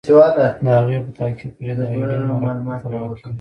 د هغې په تعقیب پرې د ایوډین مرکبات علاوه کیږي.